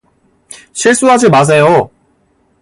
실수하지 마세요.